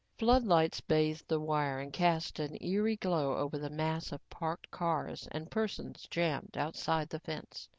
Floodlights bathed the wire and cast an eerie glow over the mass of parked cars and persons jammed outside the fence.